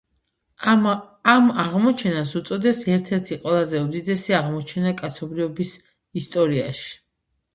ამ აღმოჩენას უწოდეს „ერთ-ერთი ყველაზე უდიდესი აღმოჩენა კაცობრიობის ისტორიაში“.